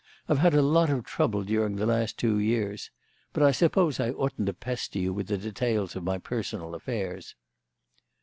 I've had a lot of trouble during the last two years. But I suppose I oughtn't to pester you with the details of my personal affairs."